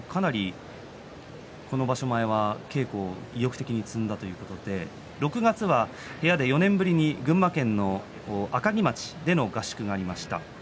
この場所前は稽古を意欲的に積んだということで６月は部屋で５年ぶりに群馬県の赤木町での合宿がありました。